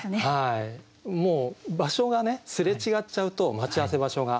もう場所がねすれ違っちゃうと待ち合わせ場所が。